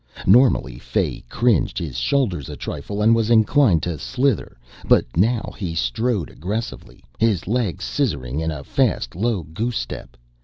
Normally Fay cringed his shoulders a trifle and was inclined to slither, but now he strode aggressively, his legs scissoring in a fast, low goosestep.